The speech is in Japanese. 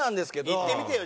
いってみてよ